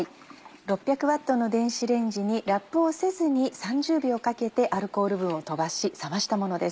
６００Ｗの電子レンジにラップをせずに３０秒かけてアルコール分を飛ばし冷ましたものです。